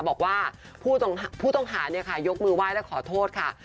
บอกว่าผู้ต้องหาเนี่ยค่ะยกมือไห้และขอโทษค่ะ